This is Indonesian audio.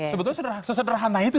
sebetulnya sesederhana itu